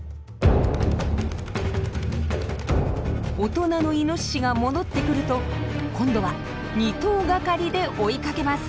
大人のイノシシが戻ってくると今度は２頭がかりで追いかけます。